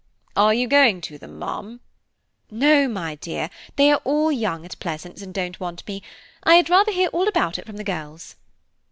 "Are you going to them, ma'am?" "No, my dear, they are all young at Pleasance, and don't want me. I had rather hear all about it from the girls."